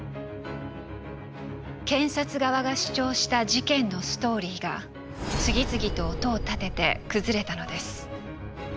検察側が主張した事件のストーリーが次々と音を立てて崩れたのです。